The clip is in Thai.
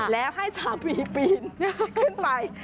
แล้วให้สามีปีนขึ้นไป